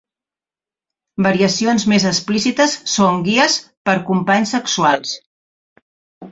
Variacions més explícites són guies per companys sexuals.